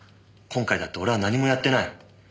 今回だって俺は何もやってない。